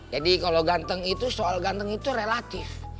jadi kalau ganteng itu soal ganteng itu relatif